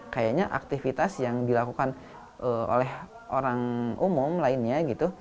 kayaknya aktivitas yang dilakukan oleh orang umum lainnya gitu